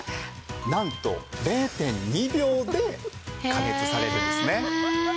なんと０．２秒で加熱されてるんですね。